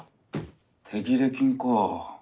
手切れ金か。